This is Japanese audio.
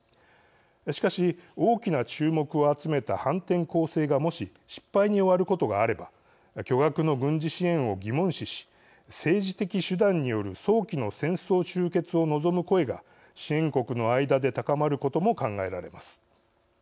しかし大きな注目を集めた反転攻勢がもし失敗に終わることがあれば巨額の軍事支援を疑問視し政治的手段による早期の戦争終結を望む声が支援国の間で高まることも考えられます。